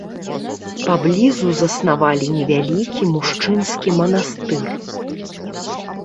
Паблізу заснавалі невялікі мужчынскі манастыр.